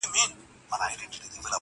بيا مي د زړه د خنداگانو انگازې خپرې سوې.